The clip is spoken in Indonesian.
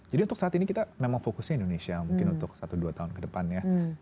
jadi untuk saat ini kita memang fokusnya indonesia mungkin untuk satu dua tahun kedepannya